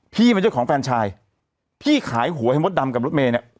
พี่มันเจ้าของแฟนชายพี่ขายหัวให้มดดำกับรถเมล์เนี้ย